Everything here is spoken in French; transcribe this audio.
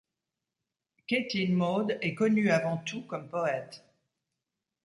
Caitlín Maude est connue avant tout comme poète.